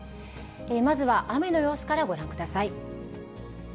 まずは雨の様子からご覧ください。